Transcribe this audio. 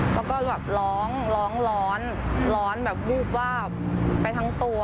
แล้วก็แบบร้องร้องร้อนร้อนแบบวูบวาบไปทั้งตัว